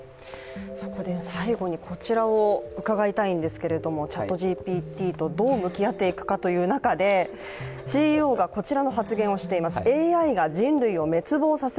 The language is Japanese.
最後にこちらをうかがいたいんですけれどもＣｈａｔＧＰＴとどう向き合っていくかという中でＣＥＯがこちらの発言をしています。